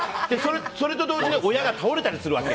それと同時に親が倒れたりするわけ。